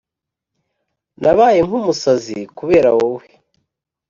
nabaye nk’umusazi kubera wowe